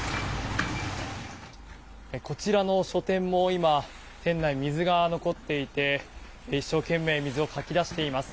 こちらの書店も今、店内、水が残っていて一生懸命水をかき出しています。